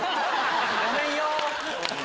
ごめんよ。